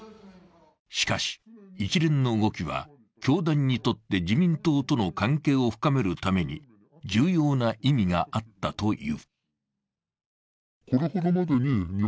しかし一連の動きは教団にとって自民党との関係を深めるために重要な意味があったという。